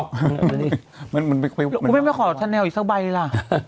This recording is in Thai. คุณแม่ไม่ขอทะแนวอีกสักใบเลยล่ะ